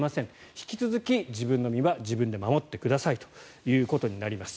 引き続き自分の身は自分で守ってくださいということになります。